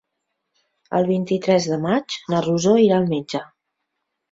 El vint-i-tres de maig na Rosó irà al metge.